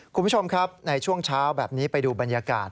คุณผู้ชมครับในช่วงเช้าแบบนี้ไปดูบรรยากาศ